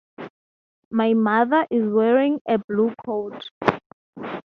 My mother is wearing a blue coat.